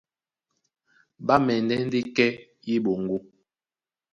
Ɓá mɛndɛ́ kɛ́ yé eɓoŋgó,